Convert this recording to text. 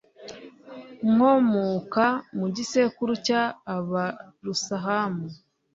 nkomuka mugisekuru cya abursahamu